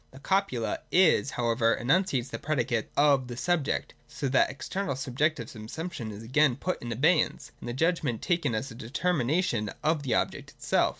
The copula 'is' however enunciates the predicate of the subject, and so that external subjective subsumption is again put in abeyance, and the Judgment taken as a deter mination of the object itself.